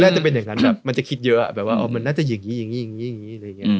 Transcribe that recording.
แล้วถ้าเป็นอย่างนั้นมันจะคิดเยอะมันน่าจะอย่างนี้อย่างนี้อย่างนี้